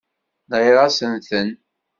Nɣiɣ-asen-ten.